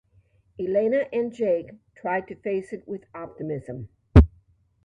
Elena and Jake try to face it with optimism.